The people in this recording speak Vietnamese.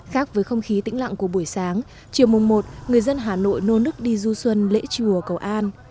khác với không khí tĩnh lặng của buổi sáng chiều mùng một người dân hà nội nô nức đi du xuân lễ chùa cầu an